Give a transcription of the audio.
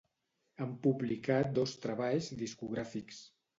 Han publicat dos treballs discogràfics.